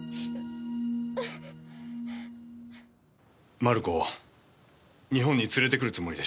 マルコを日本に連れてくるつもりでした。